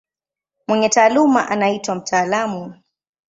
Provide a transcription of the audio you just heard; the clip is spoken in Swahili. Mwenye taaluma anaitwa mtaalamu.